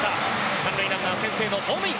三塁ランナー、先制のホームイン！